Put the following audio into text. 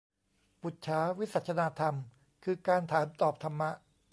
ปุจฉาวิสัชนาธรรม คือการถามตอบธรรมะ